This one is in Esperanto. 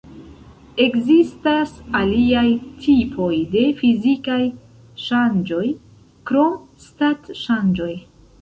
Ekzistas aliaj tipoj de fizikaj ŝanĝoj krom stat-ŝanĝoj.